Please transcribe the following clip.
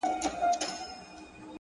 کندهار کي خو هوا نن د پکتيا ده-